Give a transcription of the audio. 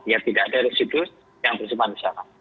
ya tidak ada residus yang tersebut disana